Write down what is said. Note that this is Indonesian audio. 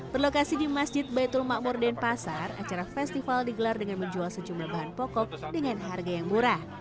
berlokasi di masjid baitul makmur denpasar acara festival digelar dengan menjual sejumlah bahan pokok dengan harga yang murah